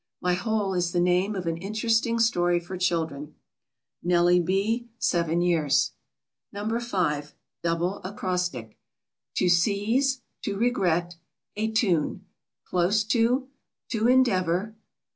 My whole is the name of an interesting story for children. NELLIE B. (seven years). No. 5. DOUBLE ACROSTIC. To seize. To regret. A tune. Close to. To endeavor.